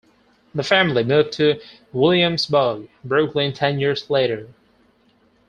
The family moved to Williamsburg, Brooklyn ten years later.